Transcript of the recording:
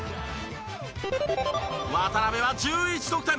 渡邊は１１得点。